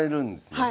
はい。